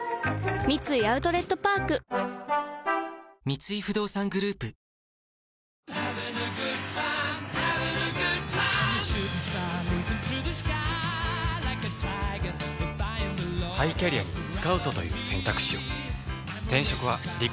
三井アウトレットパーク三井不動産グループおはようございます。